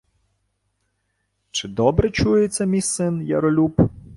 — Чи добре чується мій син Яролюб?